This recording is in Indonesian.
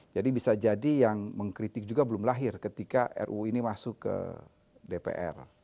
jadi bisa jadi yang mengkritik juga belum lahir ketika ruu ini masuk ke dpr